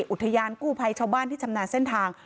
อุทยานกู้ภัยชาวบ้านที่ชำนาญเส้นทาง